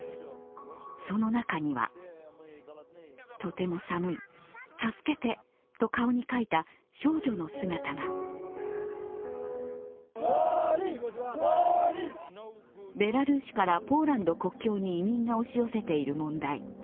その中にはとても寒い、助けてと顔に書いた少女の姿がベラルーシからポーランド国境に移民が押し寄せている問題。